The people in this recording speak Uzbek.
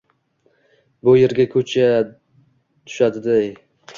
Bu erga ko`cha tushadidedi